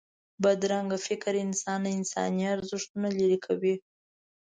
بدرنګه فکر انسان له انساني ارزښتونو لرې کوي